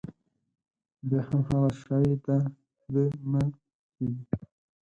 بيا هم هغه شی د ده نه کېږي.